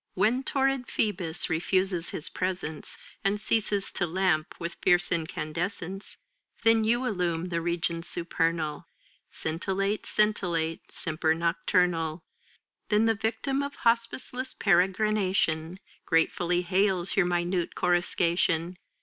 When torrid Phoebus refuses his presence And ceases to lamp with fierce incandescence^ Then you illumine the regions supernal. Scintillate, scintillate, semper nocturnal. Saintc Margirie 4T7 Then the yictiin of hospiceless peregrination Gratefully hails your minute coruscation.